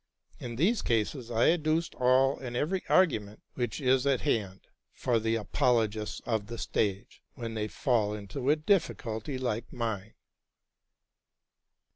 In these cases I adduced ul and every argument which is at hand for the apologists of the stage when they fall into a difficulty like mine.